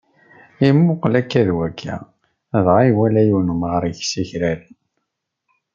Yemmuqel akka d wakka, dɣa, iwala yiwen umɣar ikes akraren.